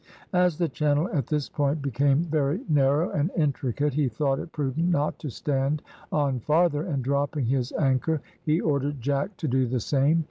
As the channel at this point became very narrow and intricate he thought it prudent not to stand on farther, and dropping his anchor, he ordered Jack to do the same.